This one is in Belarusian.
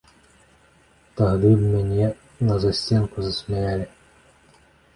Тагды б мяне на засценку засмяялі.